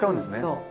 そう。